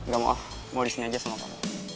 gak maaf mau disini aja sama kamu